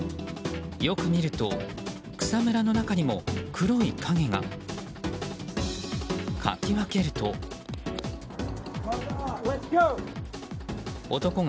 よく見ると草むらの中にも黒い影が。